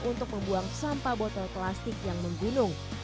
untuk membuang sampah botol plastik yang menggunung